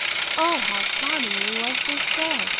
O how charmingly was this said!